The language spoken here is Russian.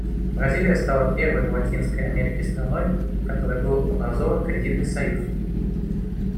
Бразилия стала первой в Латинской Америке страной, в которой был образован кредитный союз.